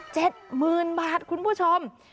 หมื่นบาทคุณผู้ชม